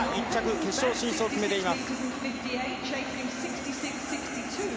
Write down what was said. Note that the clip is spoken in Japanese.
決勝進出を決めています。